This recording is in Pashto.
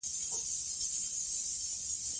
حکومت هغه ازموینې ته نه پرېښود.